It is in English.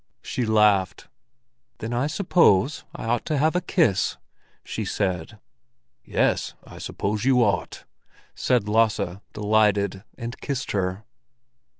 She laughed. "Then I suppose I ought to have a kiss!" she said. "Yes, I suppose you ought," said Lasse delighted, and kissed her.